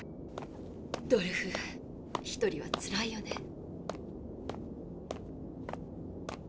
ドルフ一人はつらいよね。